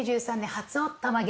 初「おったまげ」。